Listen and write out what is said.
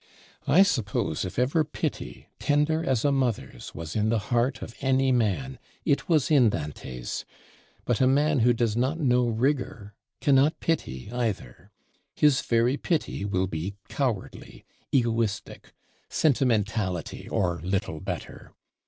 I suppose if ever pity, tender as a mother's, was in the heart of any man, it was in Dante's. But a man who does not know rigor cannot pity either. His very pity will be cowardly, egoistic, sentimentality, or little better.